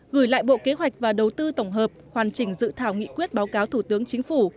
gửi lại bộ kế hoạch và đầu tư tổng hợp hoàn chỉnh dự thảo nghị quyết báo cáo thủ tướng chính phủ